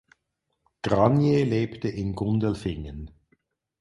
Granier lebte in Gundelfingen.